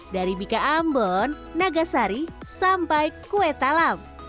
dari bika ambon nagasari sampai kue talam